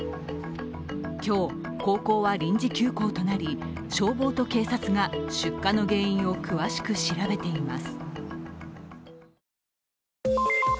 今日、高校は臨時休校となり消防と警察が出火の原因を詳しく調べています。